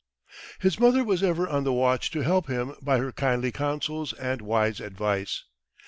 His mother was ever on the watch to help him by her kindly counsels and wise advice.